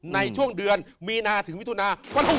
ในช่วงเดือนมีนาถึงมิถุนา